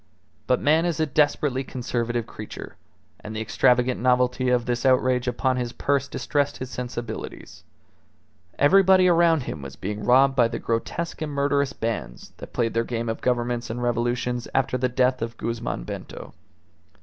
But man is a desperately conservative creature, and the extravagant novelty of this outrage upon his purse distressed his sensibilities. Everybody around him was being robbed by the grotesque and murderous bands that played their game of governments and revolutions after the death of Guzman Bento.